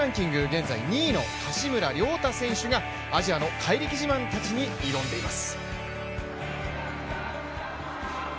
現在２位の柏村亮太選手がアジアの怪力自慢たちに挑んでいます。